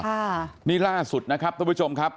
ค่ะนี่ล่าสุดนะครับทุกผู้ชมครับ